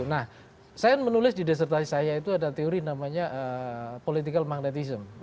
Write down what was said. nah saya menulis di desertasi saya itu ada teori namanya political magnetism